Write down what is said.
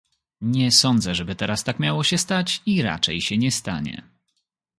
Nie sądzę, żeby teraz tak miało się stać, i raczej się nie stanie